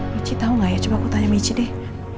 meeci tau gak ya coba aku tanya meeci deh